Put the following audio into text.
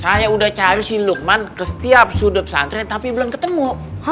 saya udah cari si lukman ke setiap sudut santri tapi belum ketemu